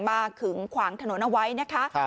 ขึงขวางถนนเอาไว้นะคะ